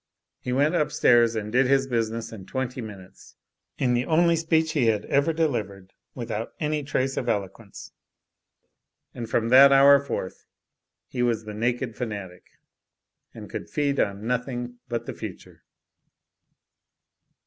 He went upstairs and did his business in twenty minutes in the only speech he had ever delivered without any trace of eloquence. And from that hour forth he was the naked fanatic; and could feed on nothing but the future.